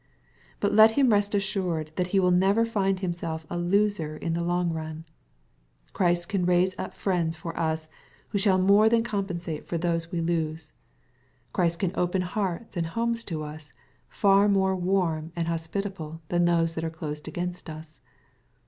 But let him rest assured that he will never find himself a loser in the long run. Christ can raise up friends for OS who shall more than compensate for those we lose MATTHEW, CHAP. XX. 245 Christ can ope a hearts and homes to us, far more warm and hospitable than those that are closed against us.